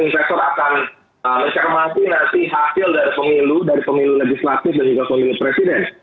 investor akan mencermati nanti hasil dari pemilu dari pemilu legislatif dan juga pemilu presiden